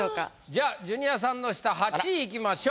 じゃあジュニアさんの下８位いきましょう。